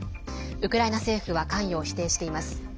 ウクライナ政府は関与を否定しています。